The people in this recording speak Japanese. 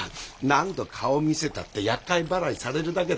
何度顔見せたってやっかい払いされるだけだよ。